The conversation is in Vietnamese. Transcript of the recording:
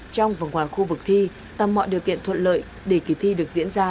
trong và ngoài khu vực thi tạo mọi điều kiện thuận lợi để kỳ thi được diễn ra